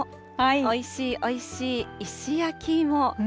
おいしいおいしい石焼き芋。